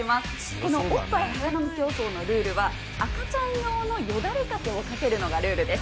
このおっぱい早飲み競争のルールは、赤ちゃん用のよだれかけをかけるのがルールです。